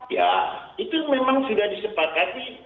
ya itu memang sudah disepakati